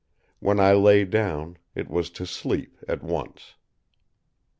When I lay down, it was to sleep at once.